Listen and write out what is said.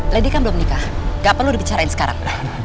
lady kan belum nikah gak perlu dibicarain sekarang